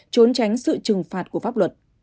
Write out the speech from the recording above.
trốn tránh sự trừng phạt của pháp luật